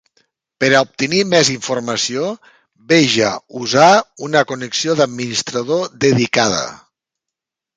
Per a obtenir més informació, veja Usar una connexió d'administrador dedicada.